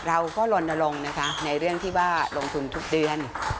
ลนลงนะคะในเรื่องที่ว่าลงทุนทุกเดือน